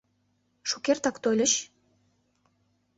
Шукертак тольыч?